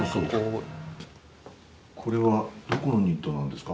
これはどこのニットなんですか？